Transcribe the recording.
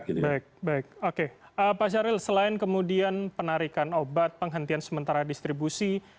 baik baik oke pak syahril selain kemudian penarikan obat penghentian sementara distribusi